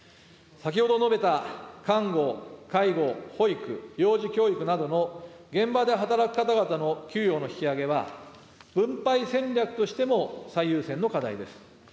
先ほど述べた、看護、介護、保育、幼児教育などの現場で働く方々の給与の引き上げは、分配戦略としても最優先の課題です。